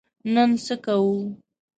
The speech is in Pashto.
نن څه کوو؟